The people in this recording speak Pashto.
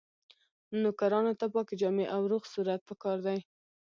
نوکرانو ته پاکې جامې او روغ صورت پکار دی.